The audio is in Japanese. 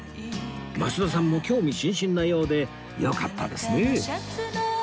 増田さんも興味津々なようでよかったですねえ